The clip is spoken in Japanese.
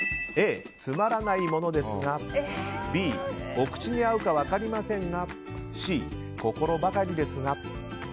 Ａ、つまらないものですがＢ、お口に合うか分かりませんがＣ、心ばかりですが。